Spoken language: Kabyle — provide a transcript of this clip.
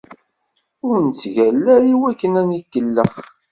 Ur nettgalla ara iwakken ad ikellex.